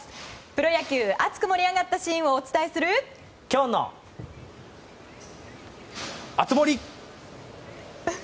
プロ野球、熱く盛り上がったシーンをお伝えする熱盛！